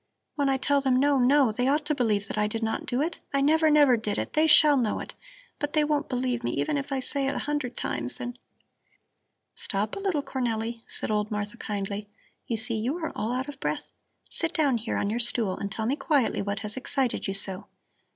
"When I tell them no, no, they ought to believe that I did not do it. I never, never did it. They shall know it! But they won't believe me even if I say it a hundred times and " "Stop a little, Cornelli!" said old Martha kindly. "You see, you are all out of breath. Sit down here on your stool and tell me quietly what has excited you so.